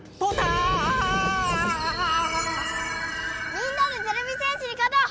みんなでてれび戦士にかとう！